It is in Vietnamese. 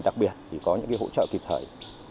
đặc biệt thì có những hỗ trợ kịp thời